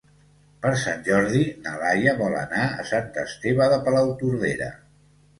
Per Sant Jordi na Laia vol anar a Sant Esteve de Palautordera.